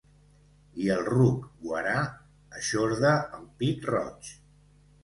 I el ruc guarà eixorda el pit-roig.